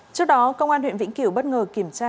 trước đó công an huyện vĩnh kiểu bất ngờ kiểm tra